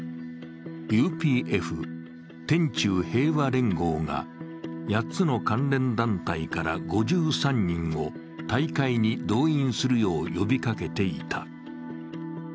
ＵＰＦ＝天宙平和連合が８つの関連団体から５３人を大会に動員するよう呼びかけていた。